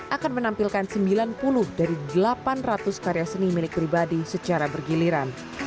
akan menampilkan sembilan puluh dari delapan ratus karya seni milik pribadi secara bergiliran